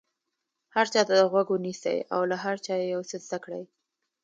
هر چا ته غوږ ونیسئ او له هر چا یو څه زده کړئ.